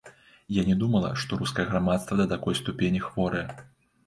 Я не думала, што рускае грамадства да такой ступені хворае.